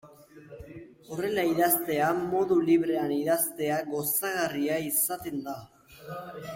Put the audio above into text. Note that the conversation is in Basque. Horrela idaztea, modu librean idaztea, gozagarria izaten da.